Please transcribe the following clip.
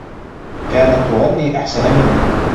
كانت تغني أحسن منه.